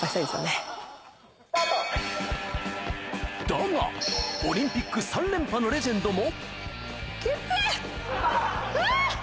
だが、オリンピック３連覇のレジェンドも。